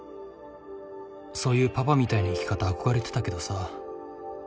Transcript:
そういうパパみたいな生き方憧れてたけどさ。